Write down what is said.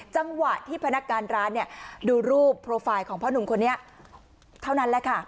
จังหวะที่พนักการร้านเนี่ยดูรูปโปรไฟล์ของพ่อหนุ่มคนนี้เท่านั้นแหละค่ะ